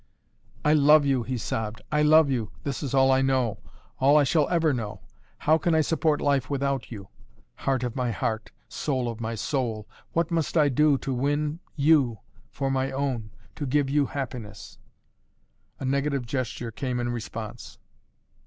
"I love you," he sobbed. "I love you! This is all I know! All I shall ever know. How can I support life without you? heart of my heart soul of my soul? What must I do, to win you for my own to give you happiness?" A negative gesture came in response.